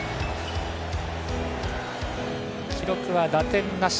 記録は打点なし。